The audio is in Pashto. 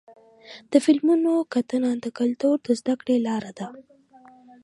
د فلمونو کتنه د کلتور د زدهکړې لاره ده.